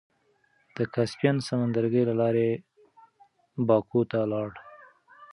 د کاسپين سمندرګي له لارې باکو ته لاړ.